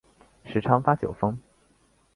时常发酒疯